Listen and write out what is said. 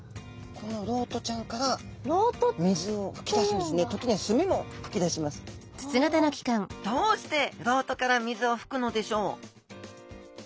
この漏斗ちゃんからどうして漏斗から水を吹くのでしょう？